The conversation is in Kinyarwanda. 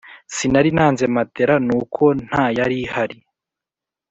sinari nanze matera nuko ntayarihari